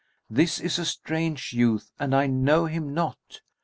This is a strange youth and I know him not.